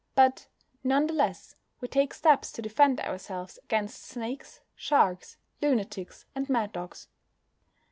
But, none the less, we take steps to defend ourselves against snakes, sharks, lunatics, and mad dogs.